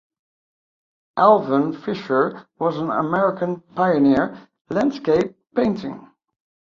Alvan Fisher was an American pioneer of landscape painting.